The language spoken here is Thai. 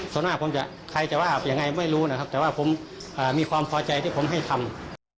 ส่วนมากผมจะใครจะว่ายังไงไม่รู้นะครับแต่ว่าผมมีความพอใจที่ผมให้ทำ